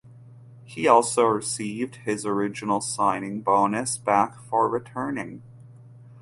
He also received his original signing bonus back for returning.